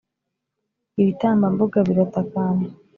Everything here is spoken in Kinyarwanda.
Ibitambambuga biratakamba